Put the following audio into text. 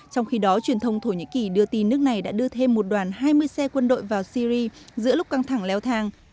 trong khi đó truyền thông thổ nhĩ kỳ đưa tin nước này đã đưa thêm một đoàn hai mươi xe quân đội vào syri giữa lúc căng thẳng leo thang